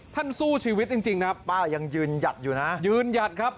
ท่านสู้ชีวิตจริงจริงนะครับป้ายังยืนหยัดอยู่นะยืนหยัดครับ